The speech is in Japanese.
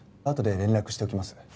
あとで連絡しておきます。